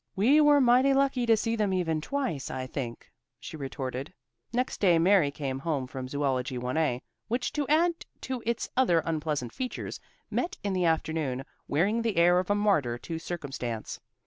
"We were mighty lucky to see them even twice, I think," she retorted. Next day Mary came home from zoology 1a, which to add to its other unpleasant features met in the afternoon, wearing the air of a martyr to circumstance.